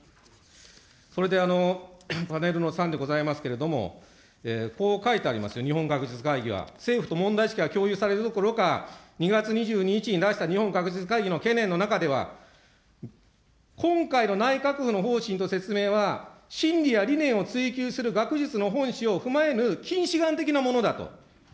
それでパネルの３でございますけれども、こう書いてあります、日本学術会議は政府と問題意識が共有されるどころか、２月２２日に出した日本学術会議の懸念の中では、今回の内閣府の方針と説明は、真理や理念を追求する学術の本旨を踏まえぬ近視眼的なものだと。